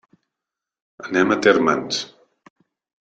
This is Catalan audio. Anem a Térmens.